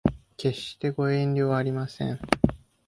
決してご遠慮はありません